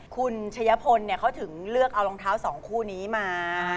คุณชะยะพลเขาถึงเลือกเอารองเท้าสองคู่นี้มา